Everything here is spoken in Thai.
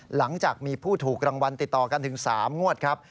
หลังจากมีผู้ถูกรางวัลติดต่อกันถึง๓งวดครับ